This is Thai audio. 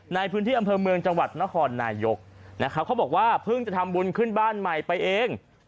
ในพื้นที่อำเภอเมืองจังหวัดนครนายกนะครับเขาบอกว่าเพิ่งจะทำบุญขึ้นบ้านใหม่ไปเอง